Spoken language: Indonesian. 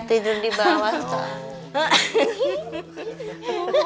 tidur di bawah